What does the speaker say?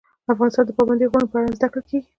افغانستان کې د پابندي غرونو په اړه زده کړه کېږي.